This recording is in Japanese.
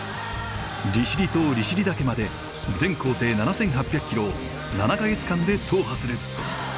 利尻島利尻岳まで全行程７，８００キロを７か月間で踏破する。